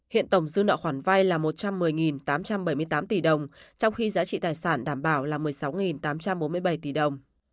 hiện tổng dư nợ khoản vay là một trăm một mươi tám trăm bảy mươi tám tỷ đồng trong khi giá trị tài sản đảm bảo là một mươi sáu tám trăm bốn mươi bảy tỷ đồng